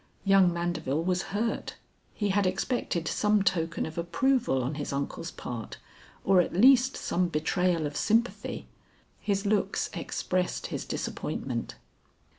Young Mandeville was hurt. He had expected some token of approval on his uncle's part, or at least some betrayal of sympathy. His looks expressed his disappointment.